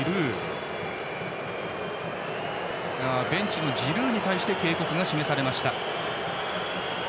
ベンチのジルーに対して警告が示されました。